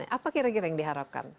apa kira kira yang diharapkan